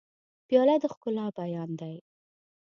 پیاله د ښکلا بیان دی.